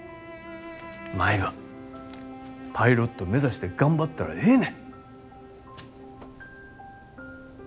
舞はパイロット目指して頑張ったらええね。